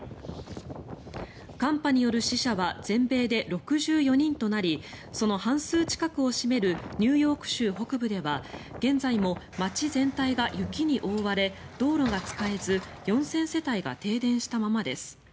寒波による死者は全米で６４人となりその半数近くを占めるニューヨーク州北部では現在も街全体が雪に覆われ道路が使えず４０００世帯が停電したままです。